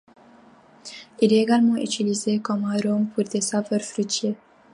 Il est également utilisé comme arôme pour des saveurs fruitées.